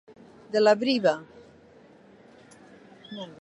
De la briva.